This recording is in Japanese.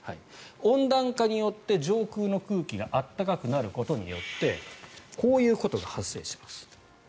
温暖化によって上空の空気が暖かくなることによってこういうことが発生します。